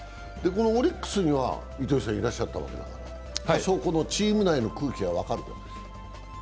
オリックスには糸井さんいらっしゃったわけですから、多少このチーム内の空気は分かるかい？